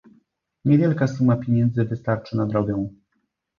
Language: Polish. "Niewielka suma pieniędzy wystarczy na drogę."